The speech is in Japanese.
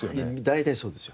大体そうですよ。